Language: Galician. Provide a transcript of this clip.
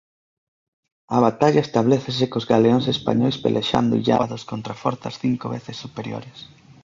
A batalla establécese cos galeóns españois pelexando illados contra forzas cinco veces superiores.